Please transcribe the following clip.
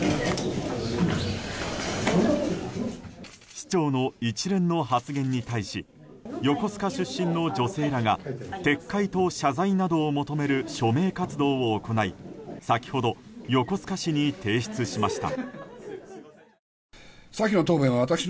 市長の一連の発言に対し横須賀出身の女性らが撤回と謝罪などを求める署名活動を行い先ほど横須賀市に提出しました。